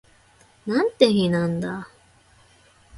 なんて日なんだ